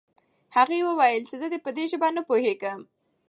هغه وويل چې زه په دې ژبه نه پوهېږم.